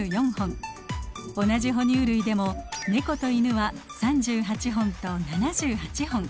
同じ哺乳類でもネコとイヌは３８本と７８本。